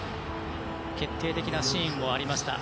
決定的なシーンもありました。